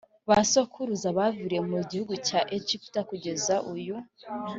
ba sokuruza baviriye mu gihugu cya Egiputa kugeza uyu